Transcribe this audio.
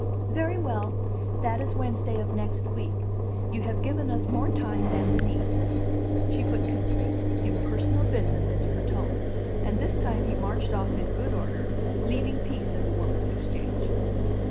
"Very well. That is Wednesday of next week. You have given us more time than we need." She put complete, impersonal business into her tone; and this time he marched off in good order, leaving peace in the Woman's Exchange.